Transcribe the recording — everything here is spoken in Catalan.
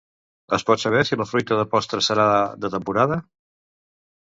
Es pot saber si la fruita de postres serà de temporada?